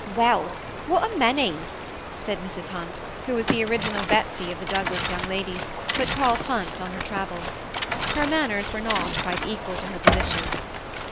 " Well, what a many !" said Mrs. Hunt, who was the original Betsy of the Douglas young ladies, but called Hunt on her travels. Her manners were not quite equal to her position.